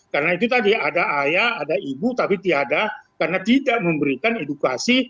karena itu tadi ada ayah ada ibu tapi tiada karena tidak memberikan edukasi